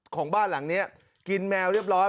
ของบ้านหลังนี้กินแมวเรียบร้อย